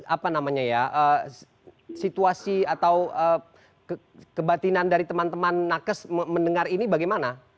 apa namanya ya situasi atau kebatinan dari teman teman nakes mendengar ini bagaimana